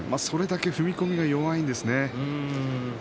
それだけ踏み込みが弱いですね。